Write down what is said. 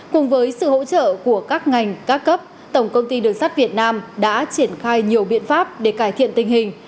cùng với sự hỗ trợ của các ngành các cấp tổng công ty đường sắt việt nam đã triển khai nhiều biện pháp để cải thiện tình hình